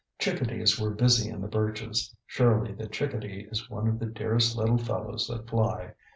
Chickadees were busy in the birches. Surely the chickadee is one of the dearest little fellows that fly.